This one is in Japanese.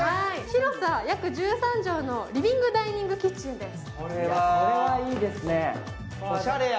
広さ約１３畳のリビングダイニングキッチンです。